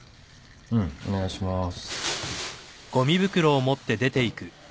うんお願いします。